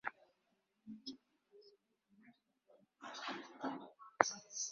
impamvu niwe wenyine kuri njye, jolene, jolene